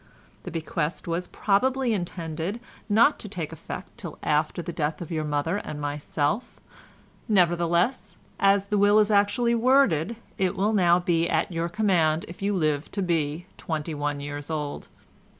The bequest was probably intended not to take effect till after the death of your mother and myself; nevertheless, as the will is actually worded, it will now be at your command if you live to be twenty one years old.